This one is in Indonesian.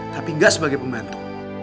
tapi gak sebagai pembantu